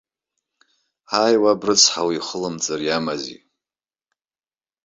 Ҳаи, уаб рыцҳа уихылымҵыр иамази.